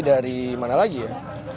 dari mana lagi ya